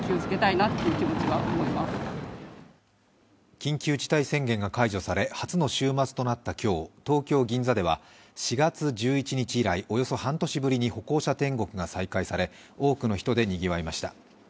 緊急事態宣言が解除され初の週末となった今日、東京・銀座では４月１１日以来およそ半年ぶりに歩行者天国が再開され多くの人でにぎわいました。